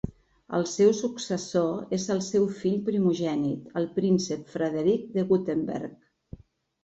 El seu successor és el seu fill primogènit, el príncep Frederic de Württemberg.